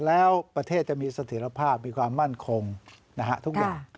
แล้วประเทศจะมีเสถียรภาพมีความมั่นคงทุกอย่าง